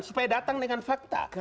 supaya datang dengan fakta